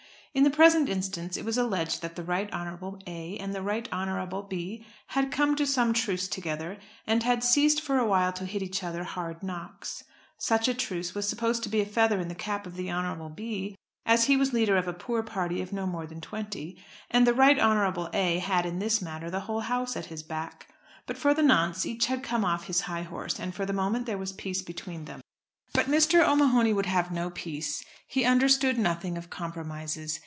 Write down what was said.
In the present instance it was alleged that the Right Honourable A. and the Honourable B. had come to some truce together, and had ceased for a while to hit each other hard knocks. Such a truce was supposed to be a feather in the cap of the Honourable B., as he was leader of a poor party of no more than twenty; and the Right Honourable A. had in this matter the whole House at his back. But for the nonce each had come off his high horse, and for the moment there was peace between them. But Mr. O'Mahony would have no peace. He understood nothing of compromises.